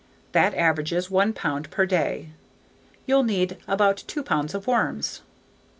That averages one pound per day. You'll need about two pounds of worms.